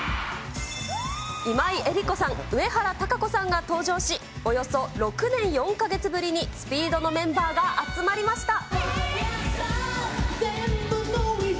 今井絵理子さん、上原多香子さんが登場し、およそ６年４か月ぶりにＳＰＥＥＤのメンバーが集まりました。